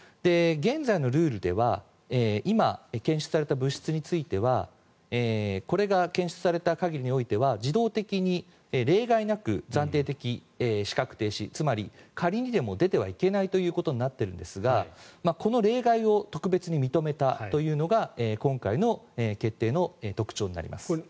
現在のルールでは今、検出された物質についてはこれが検出された限りにおいては自動的に例外なく暫定的資格停止つまり仮にでも出てはいけないということになっているんですがこの例外を特別に認めたというのが今回の決定の特徴になります。